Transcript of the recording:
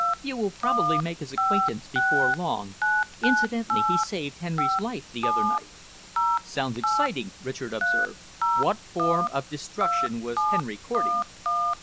"You will probably make his acquaintance before long. Incidentally, he saved Henry's life the other night." "Sounds exciting," Richard observed. "What form of destruction was Henry courting?"